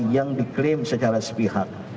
yang diklaim secara sepihak